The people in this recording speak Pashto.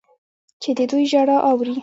چې د دوی ژړا اوري.